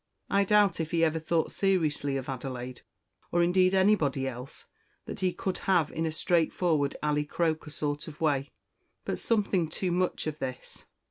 I doubt if he ever thought seriously of Adelaide, or indeed anybody else, that he could have in a straightforward Ally Croker sort of a way but something too much of this.